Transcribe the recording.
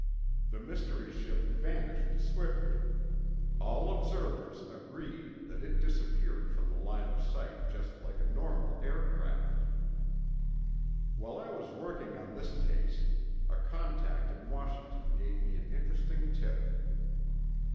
The mystery ship vanished swiftly; all observers agreed that it disappeared from the line of sight just like a normal aircraft. While I was working on this case, a contact in Washington gave me an interesting tip.